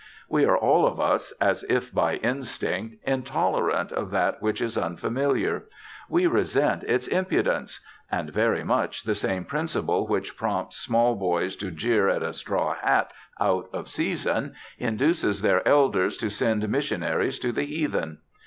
We are all of us, as if by instinct, intolerant of that which is unfamiliar: we resent its impudence: and very much the same principle which prompts small boys to jeer at a straw hat out of season induces their elders to send missionaries to the heathen.